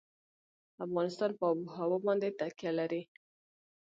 افغانستان په آب وهوا باندې تکیه لري.